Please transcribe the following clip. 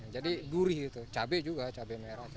jadi gurih itu cabai juga cabai merah